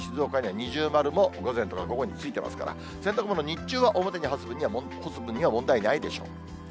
水戸や前橋、静岡には二重丸も午前とか午後についていますから、洗濯物、日中は表に干す分には問題ないでしょう。